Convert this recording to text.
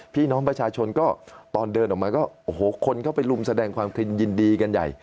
พี่น้องประชาชนก็ตอนเดินออกมาก็โอ้โหคนเข้าไปลุมแสดงความคิดยินดีกันใหญ่